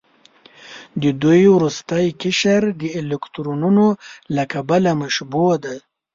د دوی وروستی قشر د الکترونونو له کبله مشبوع دی.